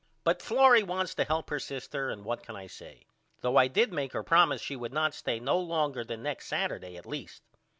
But Florrie wants to help her sister and what can I say? Though I did make her promise she would not stay no longer than next Saturday at least.